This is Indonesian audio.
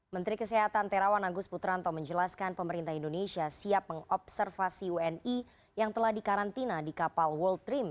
menteri kesehatan terawan agus putranto menjelaskan pemerintah indonesia siap mengobservasi wni yang telah dikarantina di kapal world dream